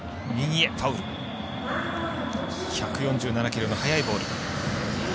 １４７キロの速いボール。